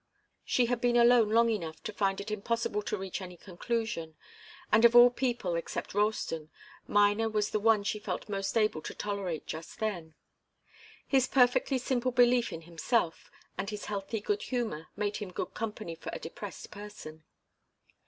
She had been alone long enough to find it impossible to reach any conclusion, and of all people except Ralston, Miner was the one she felt most able to tolerate just then. His perfectly simple belief in himself and his healthy good humour made him good company for a depressed person.